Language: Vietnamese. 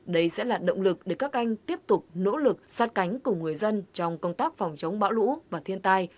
đây sẽ là động lực để các anh tiếp tục nỗ lực sát cánh cùng người dân trong công tác phòng chống bão lũ và thiên tai